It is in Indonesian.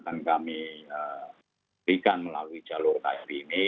yang kami berikan melalui jalur tid ini